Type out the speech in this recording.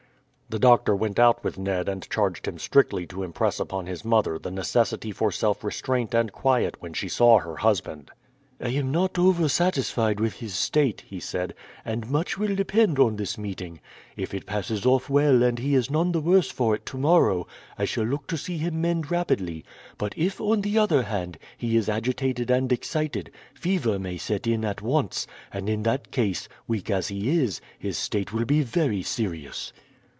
The doctor went out with Ned and charged him strictly to impress upon his mother the necessity for self restraint and quiet when she saw her husband. "I am not over satisfied with his state," he said, "and much will depend on this meeting. If it passes off well and he is none the worse for it tomorrow, I shall look to see him mend rapidly; but if, on the other hand, he is agitated and excited, fever may set in at once, and in that case, weak as he is, his state will be very serious."